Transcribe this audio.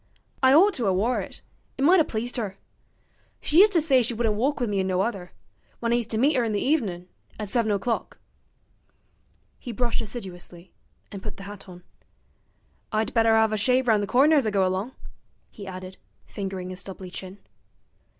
'I ought to 'a' wore it it might 'a' pleased 'er. She used to say she wouldn't walk with me in no other when I used to meet 'er in the evenin', at seven o'clock.' He brushed assiduously, and put the hat on. 'I'd better 'ave a shave round the corner as I go along,' he added, fingering his stubbly chin.